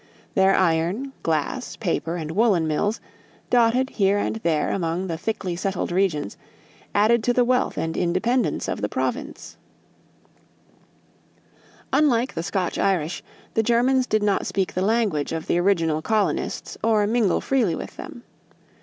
Their iron, glass, paper, and woolen mills, dotted here and there among the thickly settled regions, added to the wealth and independence of the province. [Illustration: From an old print A GLIMPSE OF OLD GERMANTOWN] Unlike the Scotch Irish, the Germans did not speak the language of the original colonists or mingle freely with them.